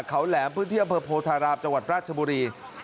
เขาแหลมพื้นที่อำเภพโพธาราบจรัชบุรี